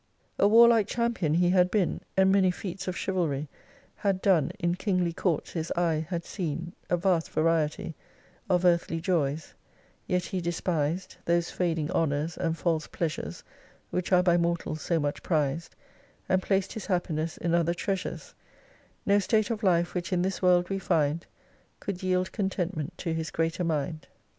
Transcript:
212 2 A warlike champion he had been, And many feats of chivalry Had done : in kingly courts his eye had seen A vast variety Of earthly joys : Yet he despis'd Those fading honours, and false pleasures Which are by mortals so much prized ; And placed his happiness in other treasures : No state of life which in this world we find Could yield contentment to his greater mind.